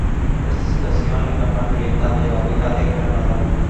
Está situado en la parte oriental de la Vega de Granada.